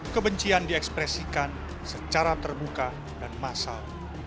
kebencian diekspresikan secara terbuka dan massal